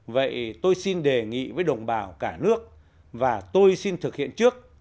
vậy tôi xin đề nghị với đồng bào cả nước và tôi xin thực hiện trước